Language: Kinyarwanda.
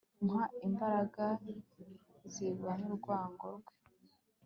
mpa imbaraga zirwanya urwango rwe